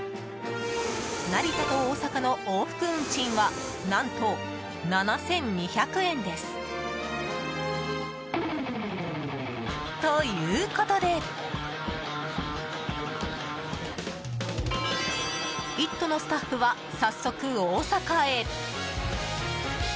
成田と大阪の往復運賃は何と７２００円です！ということで「イット！」のスタッフは早速大阪へ。